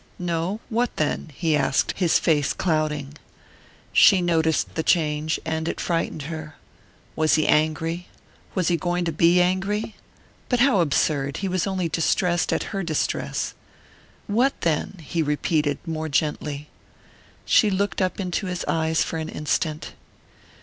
"No? What then?" he asked, his face clouding. She noticed the change, and it frightened her. Was he angry? Was he going to be angry? But how absurd! He was only distressed at her distress. "What then?" he repeated, more gently. She looked up into his eyes for an instant.